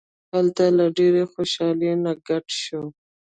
هغه له ډیرې خوشحالۍ نه ګډ شو.